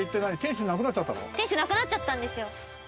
天守なくなっちゃったんですよ。